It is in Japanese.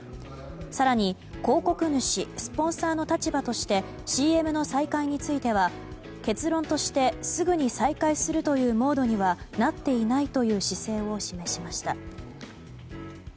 更に広告主・スポンサーの立場としてＣＭの再開については結論としてすぐに再開するというモードにはなっていないという姿勢を示しました。